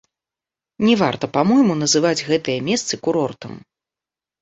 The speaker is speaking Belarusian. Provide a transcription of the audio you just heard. Не варта, па-мойму, называць гэтыя месцы курортам.